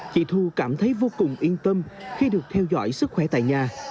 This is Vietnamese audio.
chị thu cảm thấy vô cùng yên tâm khi được theo dõi sức khỏe tại nhà